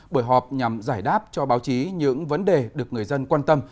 bởi họp nhằm giải đáp cho báo chí những vấn đề được người dân quan tâm